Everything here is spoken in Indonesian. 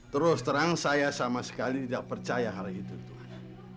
terus terang saya sama sekali tidak percaya hal itu tuhan